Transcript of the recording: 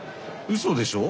うそでしょ？